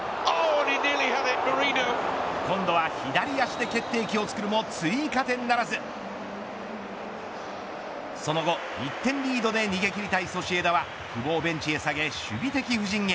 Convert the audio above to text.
今度は左足で決定機をつくるも追加点ならずその後１点リードで逃げ切りたいソシエダは久保をベンチへ下げ守備的布陣へ。